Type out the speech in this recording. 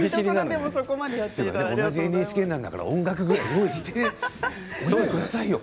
同じＮＨＫなんだから音楽ぐらい用意してくださいよ。